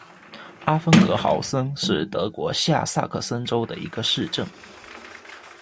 阿芬格豪森是德国下萨克森州的一个市镇。